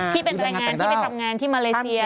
ที่เป็นแรงงานที่ไปทำงานที่มาเลเซีย